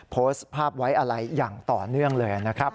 โพสต์ภาพไว้อะไรอย่างต่อเนื่องเลยนะครับ